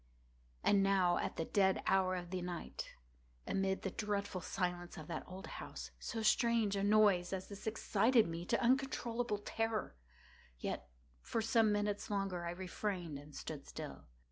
And now at the dead hour of the night, amid the dreadful silence of that old house, so strange a noise as this excited me to uncontrollable terror. Yet, for some minutes longer I refrained and stood still.